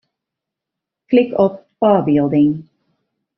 Klik op ôfbylding.